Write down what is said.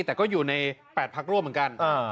แต่ก็อยู่ใน๘พักร่วมเหมือนกัน